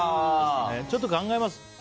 ちょっと考えます。